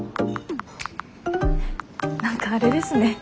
何かあれですね。